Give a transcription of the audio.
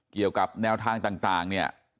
เกี่ยวกับแนวทางต่างเนี่ย